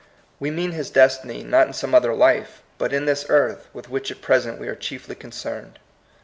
We mean his destiny, not in some other life, but in this earth with which at present we are chiefly concerned.